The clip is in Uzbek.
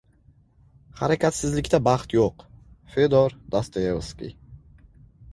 Harakatsizlikda baxt yo‘q. Fedor Dostoyevskiy